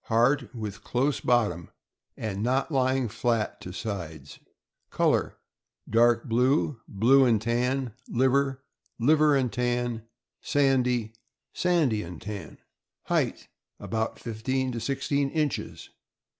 — Hard, with close bottom, and not lying flat to sides. Color. — Dark blue, blue and tan, liver, liver and tan, sandy, sandy and tan. Height. — About fifteen to sixteen inches.